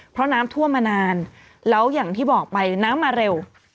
เพราะน้ำท่วมมานานแล้วอย่างที่บอกไปน้ำมาเร็ว